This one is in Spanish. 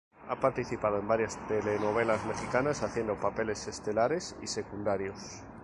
Ha participado en varias telenovelas mexicanas, haciendo papeles estelares y secundarios.